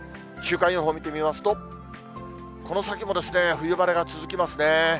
週間予報見てみますと、この先も冬晴れが続きますね。